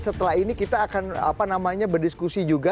setelah ini kita akan berdiskusi juga